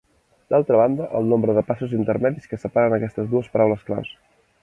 D'altra banda, del nombre de passos intermedis que separen aquestes dues paraules clau.